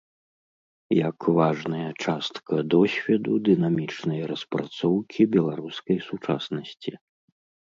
Як важная частка досведу дынамічнай распрацоўкі беларускай сучаснасці.